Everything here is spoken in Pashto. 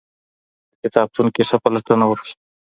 په کتابتون کې ښه پلټنه وکړئ.